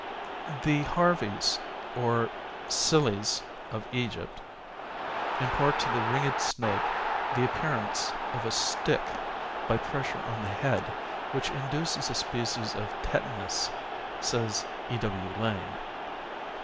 The Harvys or Psylles of Egypt impart to the ringed snake the appearance of a stick by pressure on the head, which induces a species of tetanus, says E. W. Lane.